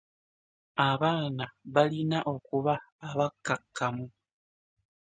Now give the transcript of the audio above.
Abaana balina okuba abakkakkamu.